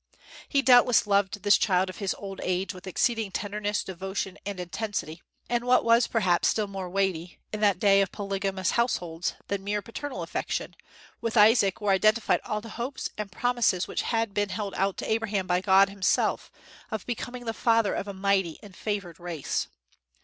He doubtless loved this child of his old age with exceeding tenderness, devotion, and intensity; and what was perhaps still more weighty, in that day of polygamous households, than mere paternal affection, with Isaac were identified all the hopes and promises which had been held out to Abraham by God himself of becoming the father of a mighty and favored race.